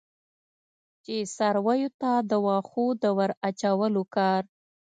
چې څارویو ته د وښو د ور اچولو کار.